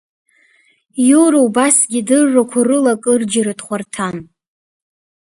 Иура убасгьы идыррақәа рыла акырџьара дхәарҭан.